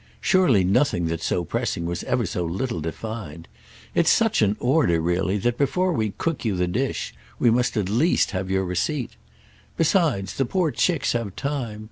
Surely nothing that's so pressing was ever so little defined. It's such an order, really, that before we cook you the dish we must at least have your receipt. Besides the poor chicks have time!